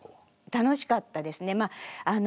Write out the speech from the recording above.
楽しかったですね。